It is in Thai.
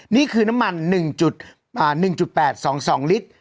นี่คือน้ำมัน๑๑๘๒๒ลิตร